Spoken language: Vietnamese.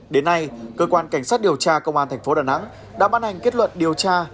đến nay cơ quan cảnh sát điều tra công an thành phố đà nẵng đã ban hành kết luận điều tra